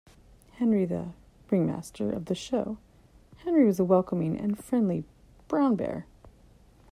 Henry-The "ringmaster" of the show, Henry was a welcoming and friendly brown bear.